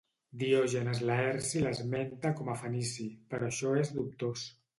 Diògenes Laerci l'esmenta com a fenici, però això és dubtós.